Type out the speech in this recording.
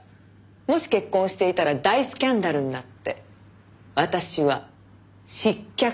もし結婚をしていたら大スキャンダルになって私は失脚していました。